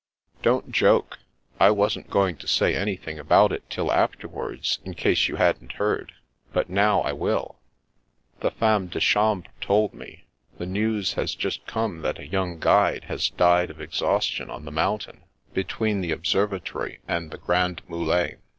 "Don't joke. I wasn't going to say anything about it till afterwards, in case you hadn't heard ; but now I will. The femme de chambre told me. The news has just come that a young guide has died of exhaustion on the mountain, between the Obser vatory and the Grands Mulets.